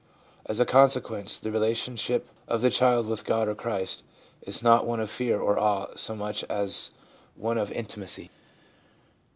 As a consequence, the relationship of the child with God or Christ is not one of fear or awe so much as one of intimacy.